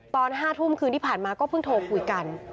ตอน๕ทุ่มคืนที่ผ่านมาก็เพิ่งโทรคุยกัน